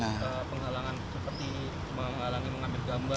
atau penghalangan seperti menghalangi mengambil gambar